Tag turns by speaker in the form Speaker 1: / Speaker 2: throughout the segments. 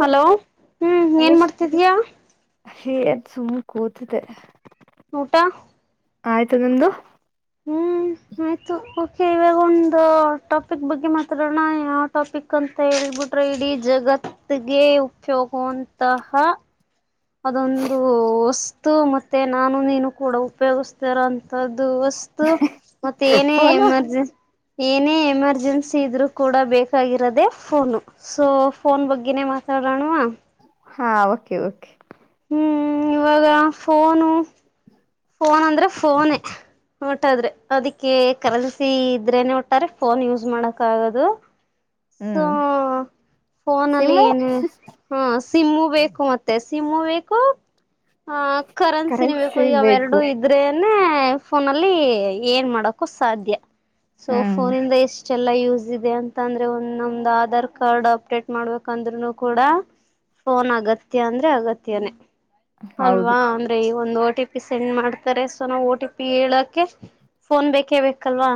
Speaker 1: Hello ಹ್ಮ್ ಏನ್ ಮಾಡ್ತೀಯ
Speaker 2: ಹೇ ಅದ ಸುಮ್ಮ ಕೂತಿದೆ
Speaker 1: ಊಟ
Speaker 2: ಆಯ್ತು ನಿಮ್ದು
Speaker 1: ಹ್ಮ್ ಆಯ್ತು ಓಕೆ ಇವಾಗ ಒಂದು ಟಾಪಿಕ್ ಬಗ್ಗೆ ಮಾತಾಡೋಣ ಯಾವ ಟಾಪಿಕ್ ಅಂತ ಹೇಳ್ಬಿಟ್ರೆ ಇಡೀ ಜಗತ್ತಿಗೆ ತೇ ಉಪಯೋಗವಂತಹ ಅದೊಂದು ವಸ್ತು ಮತ್ತೆ ನಾನು ನೀನು ಕೂಡ ಉಪಯೋಗಿಸತರೋ ಅಂತದ್ದುಸ್ ಅು ಮತ್ತೆ ಏನೇ
Speaker 2: ಫೋನು
Speaker 1: ಎರ್ಜೆನ್ ಏನೇ ಎಮರ್ಜೆನ್ಸಿ ಇದ್ರು ಕೂಡ ಬೇಕಾಗಿರೋದೆೇ ಫೋನು ಸೊ ಫೋನ್ ಬಗ್ಗೆನೇ ಮಾತಾ ಅಡೋನ್ವಾ
Speaker 2: ಹಾ ಓಕೆ ಓಕೆ
Speaker 1: ಹ್ಮ್ ಇವಾಗ ಫೋನು ಫೋನ್ ಅಂದ್ರೆ ಫೋನೇ ಒಟ್ಟಾದ್ರೆ ಅದಕ್ಕೆ ಕರೆನ್ಸ್ ಇದ್ರೇನೆ ಓಟ್ಟಾರೆ ಫೋನ್ ಯೂಸ್ ಮಾಡಕ ಆಗದು ಸೋ
Speaker 2: ಹ್ಮ್
Speaker 1: ಫೋನ ಅಲ್ಲಿ
Speaker 2: ಸಿಮ್ಮು
Speaker 1: ಏನ ಹ ಸಿಮ್ಮು ಬೇಕು ಮತ್ತೆ ಸಿಮ್ಮು ಬೇಕು ಹ ಕರೆನ್ಸಿನ ಬೇಕು
Speaker 2: ಕರೆನ್ಸಿ
Speaker 1: ಈಗ ಅವರಡುೂ
Speaker 2: ಬೇಕು
Speaker 1: ಇದ್ರೆ ಫೋನಲ್ಲಿ ಏನ್ ಮಾಡಕು ಸಾಧ್ಯ ಸೊ
Speaker 2: ಹ್ಮ್
Speaker 1: ಪೋನ್ ಇಂದ ಎಷ್ಟ ಲ್ಲಾ ಯೂಸ್ ಇದೆ ಅಂತ ಅಂದ್ರೆ ಒಂದೊಂದ್ ಆಧಾರ್ ಕಾರ್ಡ್ ಅಪ್ಡೇಟ್ ಮಾಡ್ಬೇಕಂದ್ರುನು ಕೂಡ ಫೋನ್ ಅಗತ್ಯ ಅಂದ್ರೆ ಅಗತ್ಯಾನೇ
Speaker 2: ಹೌದು
Speaker 1: ಅಲ್ವಾ ಅಂದ್ರೆ ಈ ಒಂದು ಟಿ ಪಿ ಸೆಂಡ್ ಮಾಡ್ತಾರೆ ಸೊ ನಾವ್ ಒ ಟಿ ಪಿ ಹೇಳಕೆ ಫೋನ್ ಬೇಕೇ ಬೇಕಲ್ವಾ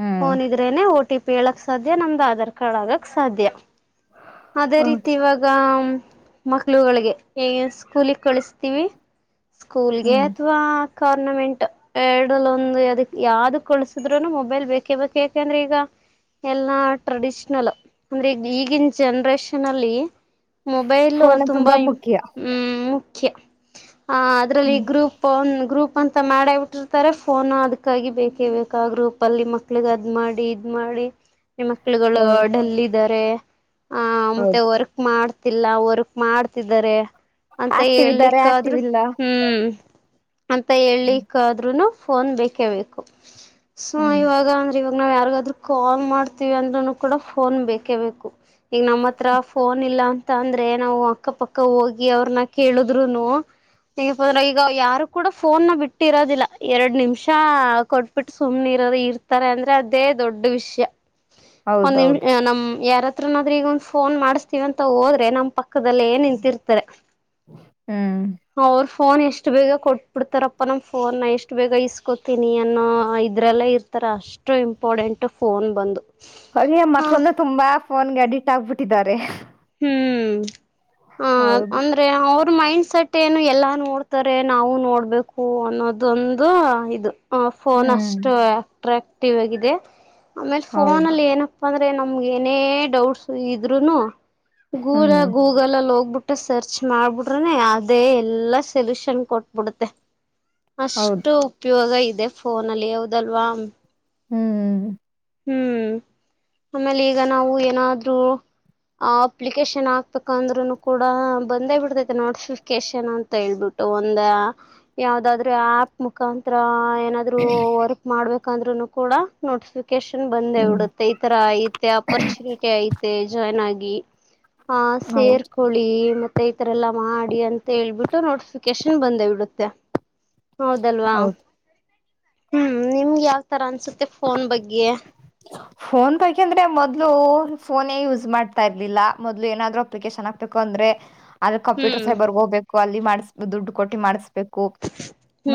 Speaker 2: ಹ್ಮ್
Speaker 1: ಫೋನ್ ಇದ್ರೇನೆ ಒಓ ಟಿ ಪಿ ಹೇಳಕ್ ಸಾಧ್ಯ ನಮ್ದ ಆಧಾರ್ ಕಾರ್ಡ್ ಆಗಕ್ ಸಾಧ್ಯ ಅದೇ
Speaker 2: ಹೌದು
Speaker 1: ರೀತಿ ಇವಾಗ ಮಕ್ಳುಗಳಿಗೆ ಸ್ಕೂಲಿಗೆ ಕಳಿಸತೀವಿ ಸ್ಕೂಲ್ಗೆ
Speaker 2: ಹ್ಮ್
Speaker 1: ಅಥವಾ ಕಾರ್ನಮೆಂಟ್ ಎರಡಲ್ ಒಂದು ಅದಕ್ ಯಾವ್ದ ಕೊಳಸಿದ್ರುನು ಮೊಬೈಲ್ ಬೇಕೇ ಬೇಕು ಎಂದು ಯಾಕಂದ್ರೆ ಈಗ ಎಲ್ಲಾ ಟ್ರೆಡಿಷ್ನಲ್ ಅಂದ್ರೆ ಈಗ ಈಗಿನ ಜನ್ರೇಷನ್ ಅಲ್ಲಿ ಮೊಬೈಲ್
Speaker 2: ಫೋನ್
Speaker 1: ತುಂಬಾ ಇಂಪ್
Speaker 2: ಮುಖ್ಯ
Speaker 1: ಹ್ಮ ಮುಖ್ಯ ಅದ್ರಲ್ಲಿ
Speaker 2: ಹ್ಮ್
Speaker 1: ಗ್ರೂಪ್ ಒ ಗ್ರೂಪ್ ಅಂತ ಮಾಡೇಬಟ್ಟಿರ್ತಾರೆ ಫೋನ್ ಅದಕ್ಕಾಗಿ ಬೇಕೇ ಬೇಕ ಆ ಗ್ರೂಪ್ ಅಲ್ಲಿ ಮಕ್ಳಿಗೆ ಅದ್ ಮಾಡಿ ಇದ ಮಾಡ ನಿಮ್ ಮಕ್ಲುಗಲು
Speaker 2: ಹೌದು
Speaker 1: ಡಲ್ ಆ ಮ
Speaker 2: ಹೌದು
Speaker 1: ವರ್ ಮಾಡ ಮಾಡ್ತಿಲ್ಲ ವರ್ಕ್ ಮಾಡ್ತಿದ್ದಾರೆ ಅಂತ
Speaker 2: ಆಕ್ಟಿವ್ ಇದ್ದಾರೆ
Speaker 1: ಹೇಳ್ಲಿಕ್ಕ ಆದ್ರು
Speaker 2: ಆಕ್ಟಿವ್ ಇಲ್ಲ
Speaker 1: ಹ್ಮ್ ಅಂತ
Speaker 2: ಹ್ಮ್
Speaker 1: ಹೇಳಿಕ್ಕಾದ್ನು ಫೋನ್ ಬೇಕೇಳ್ಬೇಕು ಸೊ
Speaker 2: ಹ್ಮ್
Speaker 1: ಇವಾಗ ಅಂದ್ರೆ ಇವಾಗ ನಾವ್ ಯಾರ್ಗಾದ್ರೂ ಕಾಲ್ ಮಾಡ್ತೀವಿ ಅಂದ್ರನು ಕೂಡ ಫೋನ್ ಬೇಕೇ ಬೇಕು ಈಗ ನಮ್ಮ ಹತ್ರ ಫೋನ್ ಇಲ್ಲ ತ್ತ ಅಂದ್ರೆ ನಾವು ಅಕ್ಕಪಕ್ಕ ಹೋಗಿ ಅವ್ರನ್ನ ಕೇಳುದ್ರುನು ಈಗ ಯಾರು ಕೂಡ ಫೋನ್ ನ ಬಿಟ್ಟಿ ಇರೋದಿಲ್ಲ ಎರಡ್ ನಿಮಿಷ ಕೊಟ್ಬಿಟ್ಟು ಸುಮ್ನೆ ಇರ್ತಾರೆ ಅಂದ್ರೆ ಅದೇ ದೊಡ್ಡ ವಿಷಯ ಒಂದ
Speaker 2: ಹೌದೌದು
Speaker 1: ನಿಮ ನಮ್ ಯಾರತ್ರ ಈಗ ಒಂದ್ ಫೋನ್ ಮಾಡಸ್ತೀವಂತ ಹೋದ್ರೆ ನಮ್ಮ ಪಕದಳ್ಳಿ ಏಲ್ ನಿಂತಿರ್ತಾರೆ
Speaker 2: ಹ್ಮ್
Speaker 1: ಅವ್ರ ಫೋನ್ ಎಷ್ಟು ಬೇಗ ಕೊಟ್ಬಿಡ್ತಾರಪ್ಪ ನಮ್ಮ್ ಫೋನ್ ಎಷ್ಟು ಬೇಗ ಇಸ್ಕೊೋತೀನಿ ಅನ್ನೋ ಇದ್ರಲ್ಲ ಇರ್ತಾರೆ ಅಷ್ಟು ಇಂಪಾರಡೆೆಂಟ್ ಫೋನ್ ಬಂದು
Speaker 2: ಅರಿ
Speaker 1: ಹಾ
Speaker 2: ಮಕ್ಕಳನು ತುಂಬಾ ಫೋನ್ಗೆ ಅಡಿಕ್ಟ್ ಆಗ್ಬಿಟ್ಟಿದ್ದಾರೆ
Speaker 1: ಹ್ಮ್ ಹ
Speaker 2: ಹೌದು
Speaker 1: ಅಂದ್ರೆ ಅವ್ರ ಮೈಂಡ್ ಸೆಟ್ ಏನು ಎಲ್ಲ ನೋಡ್ತಾರೆ ಆದ್ರೆ ನಾವು ನೋಡ್ಬೇಕು ಅನ್ನೋದೊಂದು ಇದು ಫೋನ್
Speaker 2: ಹ್ಮ್
Speaker 1: ಅಷ್ಟು ಅಟ್ರಾಕ್ಟಿವ್ ಆಗಿದೆ ಆಮೇಲೆ ಫೋನ್
Speaker 2: ಹೌದು
Speaker 1: ಅಲ್ಲಿ ಏನ ಅಂದ್ರೆ ನಮ್ಗೆ ಏನೇ ಡೌಟ್ಸ್ ಇದ್ರುನು ಗೂ
Speaker 2: ಹ್ಮ್
Speaker 1: ಗೂಗಲ್ ಅಲ್ಲಿ ಹೋಗ್ಬಿಟ್ಟ ಬಿು ಸರ್ಚ್ ಮಾಡ್ಬಿಡ್ರನೆ ಅದೇ ಎಲ್ಲಾ ಸೊಲ್ಯೂಷನ್ ಕೊಟ್ಬಿಡುತ್ತೆ
Speaker 2: ಹೌದು
Speaker 1: ಅಷ್ಟು ಉಪಯೋಗ ಇದೆ ಫೋನ ಅಲ್ಲಿ ಹಾವದಲ್ವಾ
Speaker 2: ಹ್ಮ್ ಹ್ಮ್್ಮ
Speaker 1: ಹ್ಮ್ ಆಮೇಲೆ ಈಗ ನಾವು ಏನಾದ್ರರು ಆ ಅಪ್ಲಿಕೇಶನ್ ಅಗ್ಬೇಕಾಂಡ್ರುಕುಡ ಕೂಡ ಬಂದೇ ಬಿಡ್ತೈತೆ ನೋಟಿಫಿಕೇಶನ್ ಅಂತ ಹೇಳ್ಬಿಟ್ಟು ಒಂದ ಯಾವದಾದ್ರೂ ಆಪ್ ಮುಖಾಂತರ ಏನಾದ್ೂ ವರ್ಕ್ ಮಾಡ್ಬೇಕಂದ್ೂ ಕೂಡ ನೋಟಿಫಿಕೇಶನ್ [inaudible] ಬಂದೆ
Speaker 2: ಹ್ಮ್
Speaker 1: ಬಿಡುತ್ತೆ ಈ ತರ ಐತೆ ಅಪರ್ಚುನಿಟಿ ಐತೆ ಜಾಯಿನ್ ಆಗಿ ಹ
Speaker 2: ಹೌದು
Speaker 1: ಸೇರ್ಕೊಳ್ಳಿ ಮತ್ತೆ ಈತರ ಎಲ್ಲಾ ಮಾಡಿ ಅಂತ ಹೇಳ್ಬಿಟ್ಟು ನೋಟಿಫಿಕೇಶನ್ ಬಂದೇವಿಡುತ್ತೆ ಹೌದಲ್ವಾ
Speaker 2: ಹೌದು
Speaker 1: ಹ್ಮ್ ನಿಮ್ಗೆ ಯಾವ್ತರ ಅನ್ಸುತ್ತೆ ಫೋನ್ ಬಗ್ಗೆ
Speaker 2: ಫೋನ್ ಬಗ್ಗೆ ಅಂದ್ರೆ ಮೊದ್ಲು ಫೋನೇ ಯೂಸ್ ಮಾಡ್ತಾ ಇರ್ಲಿಲ್ಲ ಮೊದ್ಲು ಏನಾದ್ರು ಅಪ್ಲಿಕೇಶನ್ ಹಾಕ್ಬೇಕು. ಬಂದ್ರೆ ಅದ್ರ ಕಂಪ್ಯೂಟರ್
Speaker 1: ಹ್ಮ್
Speaker 2: ಸೈಬರ್ ಹೋಗ್ಬೇಕು ಅಲ್ಲಿ ಮಾಡ ದುಡ್ಡು ಕೊಟ್ಟಿ ಮಾಡಿಸ್ಬೇಕು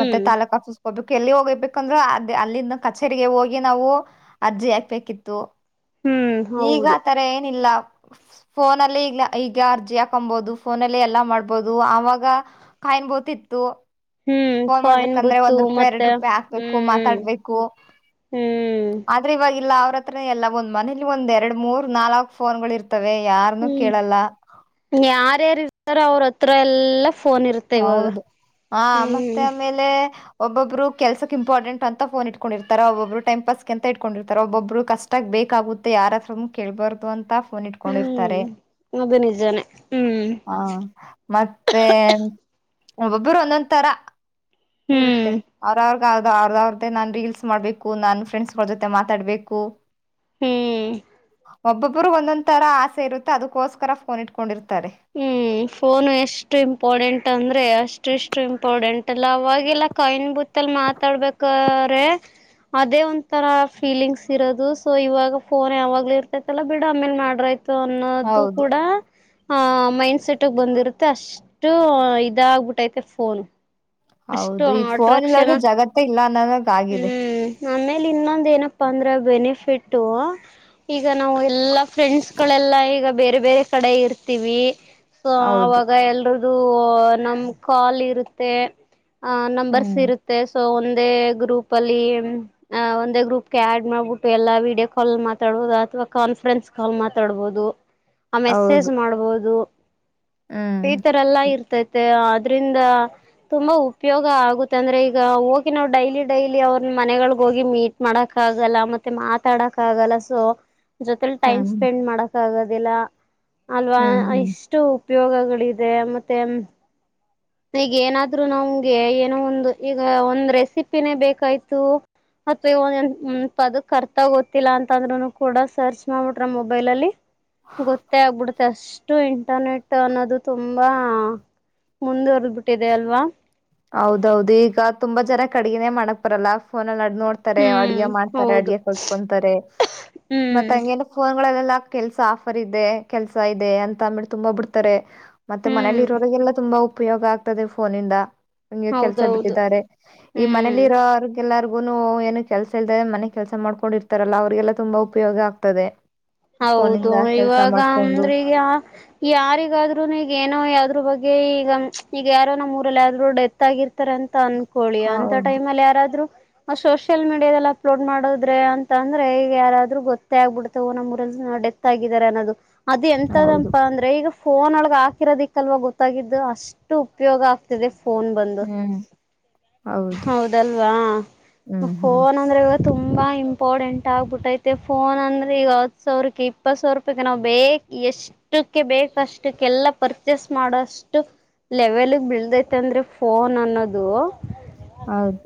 Speaker 2: ಮತ್ತೆ ತಾಲೂಕಕ್ ಆಫೀಸ್ ಹೋಗ್ು ಎಲ್ಲಿ ಹೋಗೇಬೇಕಂದ್ರೆ ಅದ ಅಲ್ಲಿಂದ ಕಚೇರಿಗೆ ಹೋಗಿ ನಾವು ಅರ್ಜಿ ಹಾಕ್ಬೇಕಿತ್ತು
Speaker 1: ಹ್ಮ್
Speaker 2: ಈಗ
Speaker 1: ಹೌದು
Speaker 2: ಆ ತರ ಏನಿಲ್ಲ
Speaker 1: [unintelligible]
Speaker 2: ಫೋನಲ್ಲಿ ಈ ಈಗ ಅರ್ಜಿ ಹಾಕೊಬಹುದು ಫೋನಲ್ಲಿ ಎಲ್ಲ ಮಾಡ್ಬಹುದು ಆವಾಗ ಸಮಯ ಬೋಥಿ
Speaker 1: ಹ್ಮ್
Speaker 2: ಫೋನ್
Speaker 1: ಕಾಯಿನ್
Speaker 2: ಮಾಡ್ಬೇಕಂದ್ರೆ
Speaker 1: ಬುತ್ತು
Speaker 2: ಒಂದ್ ರೂಪಾಯಿ ಎರಡು
Speaker 1: ಮತ್ತೆ
Speaker 2: ರೂಪಾಯಿ ಹಾಕ್ಬೇಕು
Speaker 1: ಹ್ಮ್
Speaker 2: ಮಾತಾಡ್ಬೇಕು
Speaker 1: ಹ್ಮ್
Speaker 2: ಆದ್ರೆ ಇವಾಗಲ್ಲ ಅವ್ರ ಹತ್ರ ಎಲ್ಲ ಒಂದ್ ಮನೇಲಿ ಒಂದ್ ಎರಡ್ ಮೂರ್ ನಾಲ್ಕ್ ಫೋನ್ಗಳು ಇರ್ತೆ
Speaker 1: ಹ್ಮ್ ಯಾರ್ಯಾರ ಇರ್ತಾರ ಅವ್ರ ಹತ್ರ ಎಲ್ಲಾ ಫೋನ್ ಇರುತ್ತೆ ಇವಾಗ
Speaker 2: ಹೌದು ಹ ಮತ್ತೆ
Speaker 1: ಹ್ಮ್
Speaker 2: ಆಮೇಲೆ ಒಬ್ಬಬ್ರು ಕೆಲಸಕ್ ಇಂಪಾರ್ಟೆಂಟ್ ಅಂತ ಪೋನ್ ಇಟ್ಕೊಂಡಿರ್ತಾರೆ ಒಬಬ್ರು ಟೈಂ ಪಾಸ್ ಅಂತ ಇಕೊಂಡಿರ್ತಾರೆ ಒಬಬ್ರು ಕಷ್ಟಕ್ಕೆ ಬೇಕ್ ಬೇಕಾಗುತ್ತೆ ಯಾರ್ ಹತ್ರಾನೂ ಕೇಳಬಾರ್ದು ಅಂತ ಪೋನ್ ಇಟ್ಕೊಂಡಿರ್ತಾರೆ
Speaker 1: ಹ್ಮ್ ಅದು ನಿಜಾನೇ ಹ್ಮ್
Speaker 2: ಹ ಮತ್ತೆ ಒಬ್ಬೊಬ್ಬರು ಒಂದೊಂದ್ ತರ
Speaker 1: ಹ್ಮ್
Speaker 2: ಇರುತ್ತೆ ಅವ್ರ ಅವ್ರ ಆಗಾಗ ಅವ್ರ್ದ ಅವ್ರ್ದೇ ನಾನ್ ರೀಲ್ಸ್ ಮಾಡ್ಬೇಕು ನಾನ್ ಫ್ರೆಂಡ್ಸ್ಗಳ ಜೊತೆ ಮಾತಾಡ್ಬೇಕು.
Speaker 1: ಹ್ಮ್
Speaker 2: ಒಬ್ಬೊಬ್ಬರು ಒಂದೊಂದ್ ತರ ಆಸೆ ಇರುತ್ತ ಅದಕ್ಕೋಸ್ಕರ ಫೋನ್ ಇಟ್ಕೊಂಡಿರ್ತಾರೆ.
Speaker 1: ಹ್ಮ್ ಫೋನು ಎಷ್ಟು ಇಂಪಾರ್ಟೆಂಟ್ ಅಂದ್ರೆ ಅಷ್ಟೆಷ್ಟು ಇಂಪಾರಡೆಂಟ್ ಅಲ್ಲ ಅವಾಗೆಲ್ಲ ಕಾಯಿನ್ ಬೂತ್ ತ್ತಲ್ ಮಾತಾಡ್ಬೇಕಾರೆ ಅದೇ ಒಂಥರ ಫೀಲಿಂಗ್ಸ್ ಇರೋದು ಸೊ ಇವಾಗ ಫೋನ್ ಯಾವಾಗ್ಲೂ ಇರ್ತೈತಲ್ಲ ಬಿಡ ಆಮೇಲ್ ಮಾಡ್ರ ಆಯ್ತ್ ತ ಅನ್ನೋದು
Speaker 2: ಹೌದು
Speaker 1: ಕೂಡ ಆ ಮೈಂಡ್ ಸೆಟ್ಗ ಬಂದಿರುತ್ತೆ ಅಷ್ಟು ಇದಾಗಬಿಟ್ಟೈತೆ ಫೋನು. ಅಷ್ಟು
Speaker 2: ಹೌದು ಈಗ ಫೋನ್
Speaker 1: ಅಟ್ರಾಕ್ಷನ್
Speaker 2: ಇಲ್ಲಾಗ ಜಗತ್ತೇ ಇಲ್ಲ ಅನ್ನೋದಾಗ ಆಗಿದೆ
Speaker 1: ಹ್ಮ್ ಆಮೇಲೆ ಇನ್ನೊಂದು ಏನಪ್ಪಾ ಅಂದ್ರೆ ಬೆನಿಫಿಟೂ ಈಗ ನಾವು ಎಲ್ಲಾ ಫ್ರೆಂಡ್ಸ್ ಗಳೆಲ್ಲಾ ಈಗ ಬೇರೆ ಬೇರೆ ಕಡೆ ಇರ್ತೀವಿ ಸೊ
Speaker 2: ಹೌದು
Speaker 1: ಅವಾಗ ಎಲ್ರದು ಓ ನಮ್ ಕಾಲ್ ಇರುತ್ತೆ. ಆ ನಂಬರ್ಸ್
Speaker 2: ಹ್ಮ್
Speaker 1: ಇರುತ್ತೆ ಸೊ ಒಂದು ಒಂದೇ ಗ್ರೂಪ್ ಅಲ್ಲಿ ಒಂದೇ ಗ್ರೂಪ್ಗೆ ಆಡ್ ಮಾಡ್ಬಿಟ್ಟು ಎಲ್ಲಾ ವೀಡಿಯೋ ಕಾಲ್ ಮಾತಾಡಬೋದು ಆತರ ಇವಾಗ್ ಕಾನ್ಫರೆನ್ಸ್ ಕಾಲ್ ಮಾತಾಡ್ಬಹುದು. ಆ ಮೆಸೇಜ್
Speaker 2: ಹೌದು
Speaker 1: ಮಾಡ್ಬೋದು
Speaker 2: ಹ್ಮ್
Speaker 1: ಈ ತರ ಎಲ್ಲಾ ಇರ್ತೈತೆ. ಅದ್ರಿಂದ ತುಂಬಾ ಉಪಯೋಗ ಆಗುತ್ತೆ ಅಂದ್ರೆ ಈಗ ಹೋಗಿ ನಾವು ಡೈಲಿ ಡೈಲಿ ಅವ್ರ ಮನೆಗಳಗ ಹೋಗಿ ಮೀಟ್ ಮಾಡಕ ಆಗ್ ಆಲ್ಲ ಮತ್ತೆ ಮಾತಾಡಕ್ ಆಗಲ್ಲ ಸೊ ಜೊತೆಲಿ ಟೈಮ್
Speaker 2: ಹ್ಮ್
Speaker 1: ಸ್ಪೆಂಡ್ ಮಾಡಕ್ ಆಗೋದಿಲ್ಲ ಅಲ್ವಾ
Speaker 2: ಹ್ಮ್ ಹ್ಮ್
Speaker 1: ಇಷ್ಟು ಉಪಯೋಗಗಳಿದೆ ಮತ್ತೆ ಈಗ ಏನಾದ್ರು ನಮ್ಗೆ ಏನೋ ಒಂದು ಈಗ ಒಂದ್ ರೆಸಿಪಿನೇ ಬೇಕಾಯ್ತು ಅಥವಾ ಈಗ ಒಂದ್ ಅ ಅಂ ಪದಕ್ಕ್ ಅರ್ಥಾ ಗೊತ್ತಿಲ್ಲಾ ಅಂತ ಅಂದ್ರುನು ಕೂಡ ಸರ್ಚ್ ಮಾಡ್ಬಿಟ್ರ ಮೊಬೈಲ ಅಲ್ಲಿ ಗೊತ್ತೇ ಆಗ್ಬಿಡುತ್ತೆ ಅಷ್ಟು ಇಂಟರ್ನೆಟ್ ಅನ್ನೋದು ತುಂಬಾ ಮುಂದುವರದ್ ಬಿಟ್ಟಿದೆ ಅಲ್ವಾ.
Speaker 2: ಹೌದೌದು ಈಗ ತುಂಬಾ ಜನಕ್ ಅಡಿಗಿನೇ ಮಾಡಕ್ ಬರಲ್ಲ ಫೋನಲ್ ನೋ ನೋಡ್ತಾರೆ
Speaker 1: ಹ್ಮ್
Speaker 2: ಅಡ್ಗೆ ಮಾಡ್ತಾರೆ
Speaker 1: ಹೌದು
Speaker 2: ಅಡ್ಗೆ ಕಾಲ್ತ್ಕೊಂತಾರೆ
Speaker 1: ಹ್ಮ್
Speaker 2: ಮತ್ತ್ ಹಂಗೆನ್ ಫೋನ್ ಗಳಲ್ಲಲ್ಲ ಕೆಲ್ಸ ಆಫರ್ ಇದೆ ಕೆಲ್ಸ ಇದೆ ಅಂತ ಅಂದಬಿಟ್ಟ ತುಂಬಾ ಬಿಡ್ತಾರೆ. ಮತ್ತೆ ಮನೇಲಿ
Speaker 1: ಹ್ಮ್
Speaker 2: ಇರೋರಿಗೆಲ್ಲ ತುಂಬಾ ಉಪಯೋಗ ಆಗ್ತದೆ ಫೋನ ಇಂದಾ. ಹಂಗೆ ಕೆಲ್ಸ
Speaker 1: ಹೌದೌದು
Speaker 2: ಬಿಟ್ಟಿದ್ದಾರೆ ಈ ಮನೇಲಿ
Speaker 1: ಹ್ಮ್
Speaker 2: ಇರೋರ್ ಎಲ್ಲರ್ಗ್ ಯಾರೀಗುನು ಏನು ಕೆಲಸ ಇಲ್ದ ಮನೆ ಕೆಲಸ ಮಾಡ್ಕೊಂಡಿರ್ತಾರಲ್ಲ ಅವ್ರರಿಗೆಲ್ಲಾ ತುಂಬಾ ಉಪಯೋಗ ಆಗ್ತದೆ.
Speaker 1: ಹೌದು
Speaker 2: ಫೋನಿಂದ ಕೆಲ್ಸ
Speaker 1: ಇವಾಗ
Speaker 2: ಮಾಡ್ಕೊಂಡು
Speaker 1: ಅಂದ್ರ ಈಗ ಯಾ ಯಾರಿಗಾದ್ರೂನು ಈಗ ಏನೋ ಎದರ ಬಗ್ಗೆ ಈಗ ಈಗ ಯಾರೋ ನಮ್ಮ್ ಊರಲ್ಲಿ ಯ ಆದ್ರು ಡೆತ್ ಆಗಿರ್ತಾರೆ ಅಂತ ಅನ್ ಕೋಳಿಯ ಅಂತ
Speaker 2: ಹೌದು
Speaker 1: ಟೈಮ್ ಅಲ್ಲಿ ಯಾರಾದ್ರು ಸೋಷಿಯಲ್ ಮೀಡಿಯಾದಲ್ಲಿ ಅಪ್ಲೋಡ್ ಮಾಡೋದ್ರೆ ಅಂತ ಅಂದ್ರೆ ಈಗ ಯಾರಾದ್ರರು ಗೊತ್ತೇ ಆಗ್ಬಿಡ್ತಾವೋ ನಮ. ಡೆತ್ ಆಗಿದ್ದಾರೆ ಅನ್ನೋದು ಅದು
Speaker 2: ಹೌದು
Speaker 1: ಎಂತದಪ ಅಂದ್ರೆ ಈಗ.. ಫೋನ್ ಒಳಗೆ ಹಾಕಿರೋದಿಕ್ಕಲ್ವ ಗೊತ್ತಾಗಿದ್ದು ಅಷ್ಟು ಉಪಯೋಗ ಆಗ್ತಿದೆ.. ಫೋನ್ ಬಂದು
Speaker 2: ಹ್ಮ್ ಹೌದು
Speaker 1: ಹೌದಲ್ವಾ
Speaker 2: ಹ್ಮ್ ಹ್ಮ್
Speaker 1: ಫೋನ್ ಅಂದ್ರೆ ತುಂಬ ಇಂಪಾರ್ಟೆಂಟ್ ಆಗಬಿಟ್ಟೈತೆ ಫೋನ್ ಅಂದ್ರೆ ಈಗ ಸಾವಿರಕ್ಕೆ ಇಪ್ಪತ್ತು ಸಾವರ ರೂಪೇಗೆ ನಾವ ಬೇಕ ಎಷ್ಟಕ್ಕೆ ಬೇಕ ಅಷ್ಟಕ್ಕೆಲ್ಲ ಪರ್ಚೇಸ್ ಮಾಡೋಷ್ಟು ಷ್ಟ ಲೆವೆಲ್ ಬಳದೈತೆ ಅಂದ್ರೆ ಫೋನ್ ಅನ್ನೋದು
Speaker 2: ಹೌದು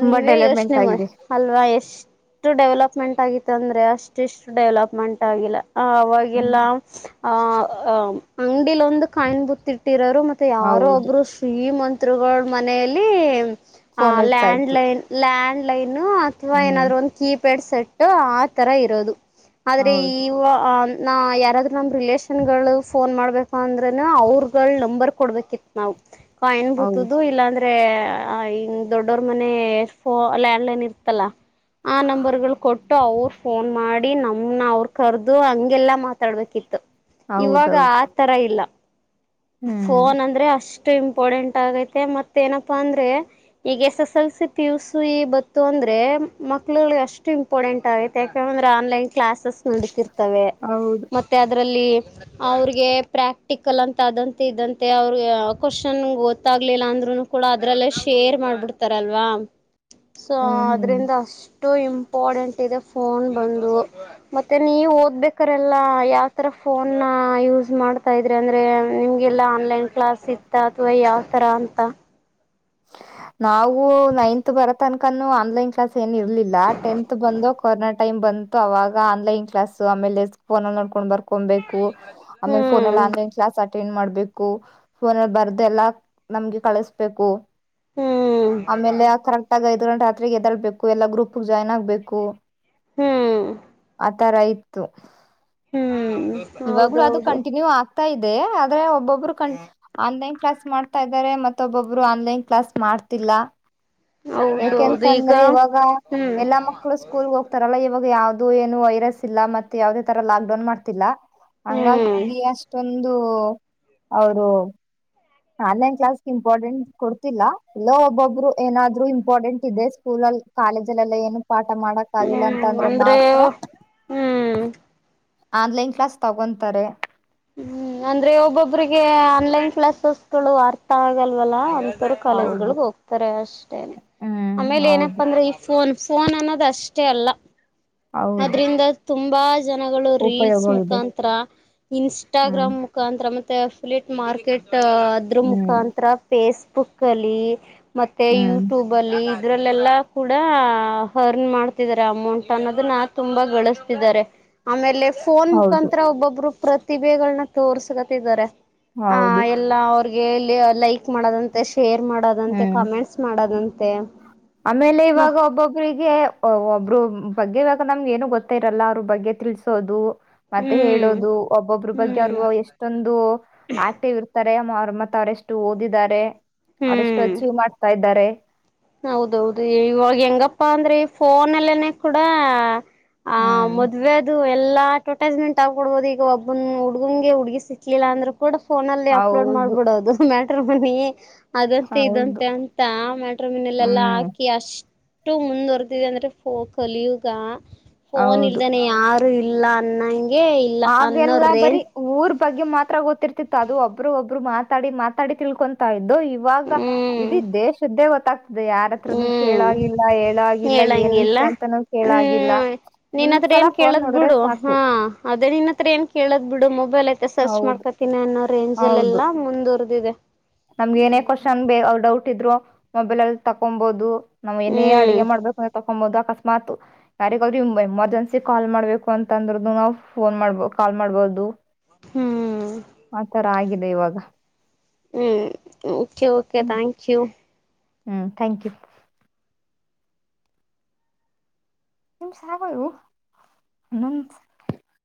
Speaker 2: ತುಂಬಾ
Speaker 1: ನೀವೇ
Speaker 2: ಡೆವಲಪ್ಮೆಂಟ್
Speaker 1: ಯೋಚನೆ ಮಾಡಿ
Speaker 2: ಆಗಿದೆ
Speaker 1: ಅಲ್ವಾ ಎಷ್ಟ ಇಷ್ಟು ಡೆವಲಪ್ಮೆಂಟ್ ಆಗಿತ್ತ ಅಂದ್ರೆ ಅಷ್ಟಿಷ್ಟು ಡೆವಲಪ್ಮೆಂಟ್ ಆಗಿಲ್ಲ. ಆ
Speaker 2: ಹ್ಮ್
Speaker 1: ಅವಾಗೆಲ್ಲ ಆಹ ಅಂಗಡಿಲೊಂದು ಕಾಯನ್ ಬುತ ಇಟ್ಟಿರೋರು ಮತ್ತೆ ಯಾರೋ
Speaker 2: ಹೌದು
Speaker 1: ಒಬ್ರು ಶ್ರೀಮಂತ್ರಗಳ ಮನೆಯಲ್ಲಿ ಆ
Speaker 2: ಫೋನ್ ಇರ್ತಾ
Speaker 1: ಲ್ಯಾಂಡ್
Speaker 2: ಇತ್ತು
Speaker 1: ಲೈನ್ ಲ್ಯಾಂಡ್ ಲೈನ್ ಅಥವಾ
Speaker 2: ಹ್ಮ್
Speaker 1: ಏನಾದ್ರು ಒಂದು ಕೀ ಪೆಡ್ ಸಟ್ ಆ ತರ ಇರೋದು ಆದ್ರೆ ಈ..
Speaker 2: ಹೌದು
Speaker 1: ನ ಯಾರಾದ್ರು ನಮ್ಮ ರಿಲೇಷನ್ಗಳು ಫೋನ್ ಮಾಡ್ಬೇಕು ಅಂದ್ರೆ ಅವ್ರಗಳ ನಂಬರ್ ಕೊಡ್ಬೇಕಿತ್ತು ನಾವು.. ಹ ಎನ್
Speaker 2: ಹೌದು
Speaker 1: ಬೂತು ಇಲ್ಲಾಂದ್ರೆ.. ಹಂಗ ದೊಡ್ಡೋರ ಮನೆಲ್ಯ ಆಂಡ್ಲೈನ್ ಇರ್ತಲ್ಲ.. ಆ ನಂಬರ್ ಗಳು ಕೊಟ್ಟು ಅವರು ಫೋನ್ ಮಾಡಿ ನಾ.. ಹ ಅವ್ರ ಕರ್ದು ಹಂಗೆಲ್ಲಾ ಮಾತಾಡ್ಬೇಕಿತ್ತು ಇವಾಗ
Speaker 2: ಹೌದೌದು
Speaker 1: ಆ ತರ ಇಲ್ಲ..
Speaker 2: ಹ್ಮ್
Speaker 1: ಫೋನ್ ಅಂದ್ರೆ ಅಷ್ಟ.. ಷ್ಟ ಇಂಪಾರ್ಟೆಂಟ್ ಆಗೈತೆ ಮತ್ತ ಏನಪ್ಪಾ ಅಂದ್ರೆ ಈಗ S S L C P ಯುಸು ಈ ಬತ್ತು ಅಂದ್ರೆ.. ಎ ಮಕ್ಳು ಎಷ್ಟು ಇಂಪಾರ್ಟೆಂಟ್ ಆಗೈ ಯಾಕೆಂದ್ರೆ ಆನ್ಲೈನ್ ಕ್ಲಾಸಸ್ ನಡತಿರ್ತವೆ
Speaker 2: ಹೌದು
Speaker 1: ಮತ್ತೆ ಅದರಲ್ಲಿ ಅವ್ರಿಗೆ ಪ್ರಾಕ್ಟಿಕಲ್ ಅಂತ.. ಅದಂತೆ ಇದಂತೆ ಅವ್ರ ಕ್ವಶನ್ ಗೊತ್ತಾಗ್ಲಿಲ್ಲ ಅಂದ್ರುನು ಕೂಡ ಅದ್ರಲ್ಲೇ ಶೇರ್ ಮಾಡ್ಬಿಡ್ತಾರೆ. ಅಲ್ವಾ ಸೊ
Speaker 2: ಹ್ಮ್ ಹ್ಮ್
Speaker 1: ಅದ್ರಿಂದ.. ಇಷ್ಟು ಇಂಪಾರಡೆಂಟ್ ಇದೆ ಫೋನ್ ಬಂದು ಮತ್ತೆ ನೀ ಓದ್ಬೇಕಾರೆಲ್ಲ ಯಾವತರ ಫೋನ ಯೂಸ್ ಮಾಡ್ತಾ ಇದ್ರೆ ಅಂದರೆ. ನಿಮ್ಗೆಲ್ಲಾ ಆನ್ಲೈನ್ ಕ್ಲಾಸ್ ಇತ್ತ ಅಥವಾ ಯಾವ್ ತರ ಅಂತ..
Speaker 2: ನಾವು ನೈನ್ತ್ ಬರ ತನಕ ಆನ್ಲೈನ್ ಕ್ಲಾಸ್.. ಏನ್ ಇರ್ಲಿಲ್ಲ ಟೆಂತ್ ಬಂದು ಕೊರನಾ.. ಟೈಮ್ ಬಂತು ಆನ್ಲೈನ್ ಕ್ಲಸ್ ಆೇ ಡೆಸ್ಕ್ಫೋನ ನೋಡ್ಕೊಂಡ್ ಬಬೇಕು.. ಹಕೊಬೇಕು ಮನ್
Speaker 1: ಹ್ಮ್
Speaker 2: ಫೋನ್ಲ್ಲಿ ಆನ್ಲೈನ್ ಕ್ಲಾ ಆ.. ಟ ಮಾಡ್ಬೇಕು ಫೋನಲ್ಲಿ ಬರ್ದೆ ಎಲ್ಲಾ ನಮ್ಗೆ ಕಳಸ್ಬೇಕು..
Speaker 1: ಹ್ಮ್
Speaker 2: ಆಮೇಲೆ ಕರೆಕ್ಟ್ ಆಗೈತ.. ಗಂ ರಾತ್ರಿಗೆ ಎದಾಳ್ಬೇಕು ಎಲ್ಲಾ ಗ್ರೂಪ್ ಜಾಯ್ನ್ ಆಗ್ಬೇಕು..
Speaker 1: ಹ್ಮ್
Speaker 2: ತರ ಇತತ್ತು
Speaker 1: ಹ್ಮ್
Speaker 2: ಇವಾಗ್ಲೂ ಅದು
Speaker 1: ಹೌದೌದು
Speaker 2: ಕಂಟಿನ್ಯೂ ಆ.. ಇದೆ ಆದ್ರೆ ಒಬ್ಬೊಬ್ರು ಕ ಆನ್ಲೈನ್ ಕ್ಲಾಸ್ ಮಾಡ್ತಾ ಇದ್ದಾರೆ ಮತ್ತ ಒಬ್ಬೊಬ್ರು ಆನ್ಲೈನ್.. ಪ್ಲಸ್ ಮಾಡ್ತಿಲ್ಲ..
Speaker 1: ಹೌದೌದು ಈಗ
Speaker 2: ಯಾಕೆಂತಂದ್ರೆ ಇವಾಗ
Speaker 1: ಹ್ಮ್
Speaker 2: ಎಲ್ಲಾ ಮಕ್ಕಳು ಸ್ಕೂಲ್ಗೆ ಹೋಗ್ತಾರಲ್ಲ ಇವಾಗ.. ಯಾವವುದ ಏನು ವೈರಸ್ ಇಲ್ಲ ಮ ಯಾವವುದೇ ತರ ಲಾಕ್ ಡೌನ್ ಮಾಡ್ತಿಲ್ಲ
Speaker 1: ಹ್ಮ್
Speaker 2: ಹಂಗಾಗಿ ಅಷ್ಟೊ.. ಒಂದು ಅವರು.. ಆನ್ಲೈನ್ ಕ್ಲಾಸ್ ಇಂಪಾರ್ಟೆಂಟ್ ಕೊಡ್ತಿಲ್ಲ ಎಲ್ಲೋ ಒಬ್ಬೊಬ್ರು ಏನಾದ್ರು ಇಂಪಾರ್ಟೆಂಟ್ ಇದೆ ಸ್ಕೂಲ್.. ಕಾಲೇಜಲ್ಲ ಎಲ್ಲ ಏನು ಪಾಠ ಮಾಡಕ್ ಆಗಲ್ಲ ಅಂತ ಅಂದ್ರೆ ಮಾತ್ರ..
Speaker 1: ಹ್ಮ್
Speaker 2: ಆನ್ಲೈನ್ ಕ್ಲಾಸ್ ತಗೊಂತಾರೆ..
Speaker 1: ಹ್ಮ್ ಅಂದ್ರೆ ಒಬ್ಬೊಬ್ರಿಗೆ ಆನ್ಲೈನ್ ಕ್ಲಾಸಸ್ಗಳು ಅರ್ಥ ಆಗಲ್ವಲ್ಲ..
Speaker 2: ಹೌದು
Speaker 1: ಕಾಲೇಜ್ಗಳಗ್ ಹೋಗ್ತಾರೆ ಅಷ್ಟೇನೆ
Speaker 2: ಹ್ಮ್
Speaker 1: ಆಮೇಲೆ
Speaker 2: ಹೌದು
Speaker 1: ಏನಪ್ಪಾ ಅಂದ್ರೆ ಈ ಫೋನ್.. ಫೋನ್ ಅನ್ನೋದು ಅಷ್ಟೇ ಅಲ್ಲ
Speaker 2: ಹೌದು
Speaker 1: ಅದ್ರಂದ ತುಂಬಾ.. ಜನಗಳು ರೀಲ್ಸ್
Speaker 2: ಉಪಯೋಗಗಳಿದೆ
Speaker 1: ಮುಖಾಂತರ
Speaker 2: ಹ್ಮ್
Speaker 1: ಇನ್ಸ್ಟಾಗ್ರಾಮ್ ಮುಖಾಂತರ ಮ. ಫುಲಿಟ್ ಮಾರ್ಕೆಟ್ ಅದ್ರ
Speaker 2: ಹ್ಮ್
Speaker 1: ಮುಖಾಂತರ ಫೇಸ್ಬುಕ್ ಅಲ್ಲಿ.. ಮತ್ತೆ
Speaker 2: ಹ್ಮ್
Speaker 1: ಯೂಟ್ಯೂಬ್ ಅಲ್ಲಿ ಇದ್ರಲ್ಲೆಲ್ಲ ಕೂಡ ಅರ್ನ್ ಮಾಡ್ತಿದ್ದಾರೆ ಅಮೌಂಟ್ ಅನ್ನೋ.. ತುಂಬಾ ಗಳಿಸತಿದ್ದಾರೆ ಆಮೇಲೆ ಫೋನ್
Speaker 2: ಹೌದು
Speaker 1: ಮುಖಾಂತರ ಒಬ್ಬೊಬ್ರು ಪ್ರ.. ಪ್ರತಿಭೆಗಳನ್ನ ತೋರ್ಸ್ಕತ್ತಿದಿದ್ದಾರೆ..
Speaker 2: ಹೌದು
Speaker 1: ಲೈಕ್ ಮಾಡೋದಂತ ಶೆ ಶೇರ್ ಮಾಡೋದಂತೆ
Speaker 2: ಹ್ಮ್
Speaker 1: ಕಮೆಂಟ್ಸ್ ಮಾಡದಂತೆ.
Speaker 2: ಒಬ್ಬರು ಬಗ್ಗೆ ಬ ನಮ್ಗೆ ಏನು ಗೊತ್ತ ಇರಲ್ಲ ಅವ್ರ ಬಗ್ಗೆ ತಿಳಸೋದು.. ಮತ್ತೆ
Speaker 1: ಹ್ಮ್
Speaker 2: ಹೇಳೋದು ಒಬ್ಬೊಬ್ರ ಬಗ್ಗೆ
Speaker 1: ಹ್ಮ್
Speaker 2: ಅವ್ರು ಎಷ್ಟೊಂದು ಆಕ್ಟಿವ್ ಇರ್ತಾರೆ.. ಅವ್ರ ಮತ್ತ ಅವರೆಷ್ಟು ಓದಿದ್ದಾರೆ ಅವರೆಷ್ಟು
Speaker 1: ಹ್ಮ್
Speaker 2: ಅಚೀವ್ ಮಾಡ್ತಾ ಇದ್ದಾರೆ..
Speaker 1: ಹೌದೌದು ಇವಾಗ ಹೆಂಗಪ್ಪಾ ಅಂದ್ರೆ ಫೋನ್ಲ್ಲನೆ ಕೂಡ.. ಆ
Speaker 2: ಹ್ಮ್
Speaker 1: ಮದ್ವೆದು.. ಎಲ್ಲಾ ಅಡ್ವರ್ಟೈಸ್ಮೆಂಟ್ ಆಗ್ಬೊಡ್ಬಹದು ಈಗ ಒಬ್ಬನ ಹುಡುಗಂಗೆ ಹುಗ ಸಿಕ್ಲಿಲ್ಲ ಅಂದ್ರೆ.. ಕೂಡ ಫೋನ ಅಲ್ಲಿ ಅಪ್ಲೋಡ್
Speaker 2: ಹೌದು
Speaker 1: ಮಾಡ್ಬಿಡೋದು ಮ್ಯಾಟ್ರ ಮನಿ ಅದಂತೆ
Speaker 2: ಹೌದು
Speaker 1: ಇದಂತೆ ಅಂತ ಮ.. ಮನಲೆೆಲ್ಲಾ
Speaker 2: ಹ್ಮ್
Speaker 1: ಹಾಕಿ ಅಷ್ಟು ಮುಂದುವರೆದಿದೆ ಅಂದ್ರೆ ಕಲಿಯುಗ ಫೋನ್
Speaker 2: ಹೌದು
Speaker 1: ಇಲ್ದನೆ ಯಾರು ಇಲ್ಲ ಅ
Speaker 2: ಹಾಗೆಲ್ಲ ಬರಿ ಊರ್ ಬಗ್ಗೆ ಮಾತ್ರ ಗೊತ್ತಿರ್ತಿತ್ತು ಅದು ಒಬ್ರು ಒಬ್ಬರು ಮಾತಾಡಿ ಮಾತಾಡಿ ತಿಳ್ಕೊತಾ ಅದು ಇವಾಗ
Speaker 1: ಹ್ಮ್
Speaker 2: ಇಡೀ ದೇಶದ್ದೇ ಅದು ಯಾರತ್ರನು
Speaker 1: ಹ್ಮ್
Speaker 2: ಕೇಳಾಗಿಲ್ಲ ಹೇಳಾಗಿಲ್ಲ ಏನ್
Speaker 1: ಹೇಳಂಗಿಲ್ಲ
Speaker 2: ವಿಷಯ ಅಂತಾನೂ ಕೇಳಾಗಿಲ್ಲ
Speaker 1: ಹ್ಮ್ ನಿನ್ ಹತ್ರ
Speaker 2: ಒಂದ್ಸಲ
Speaker 1: ಏನ್
Speaker 2: ಫೋನ್
Speaker 1: ಕೇಳದ್
Speaker 2: ನೋಡಿದ್ರೆ
Speaker 1: ಬಿಡು
Speaker 2: ಸಾಕು
Speaker 1: ಹಾ ಅದೇ ನಿನ್ ಹತ್ರ ಏನ್ ಕೇಳದ್ ಬಿಡು ಮೊ ಮಬೈಲ್ ಐತೆ ಸರ್ಚ್
Speaker 2: ಹೌದು
Speaker 1: ಮಾಡ್ಕೊತೀನಿ ಅನ್ನೋ ರೇಂಜ
Speaker 2: ಹೌದು
Speaker 1: ಎಲ್ಲ ಮುಂದುವರಿದಿದೆ
Speaker 2: ನಮ್ಗೆ ಏನೇ ಕ್ವಶನ್ ಬ ಅವ ಡೌಟ್ ಇದ್ರು ಮೊಬೈಲ್ ಅಲ್ಲಿ ತಕೊಬಹದು ನಾವ್ ಏನೇ ಅಡ್ಗೆ
Speaker 1: ಹ್ಮ್
Speaker 2: ಮಾಡಬೇಕಂದ ತಕೊಂಬೋದು ಅಕಸ್ಮಾತ್ ಯಾರಿಗಾದರೂ ಎಮರ್ಜೆನ್ಸಿ ಕಾಲ್ ಮಾಡ್ಬೇಕು ಅಂತಂದ್ರದು ನಾವು ಫೋನ್ ಮಾಡ್ಬ ಕಾಲ್ ಮಾಡ್ಬೋದು
Speaker 1: ಹ್ಮ್
Speaker 2: ಆತರ ಆಗಿದೆ ಇವಾಗ
Speaker 1: ಹ್ಮ್ ಓಕೆ ಓಕೆ ಥ್ಯಾಂಕ್ ಯು
Speaker 2: ಹ್ಮ ಥ್ಯಾಂಕ್ ಯು ನಿಮ ಸಾಗ ಹ [unintelligible]